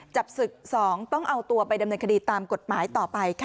จับศึก๒ต้องเอาตัวไปดำเนินคดีตามกฎหมายต่อไปค่ะ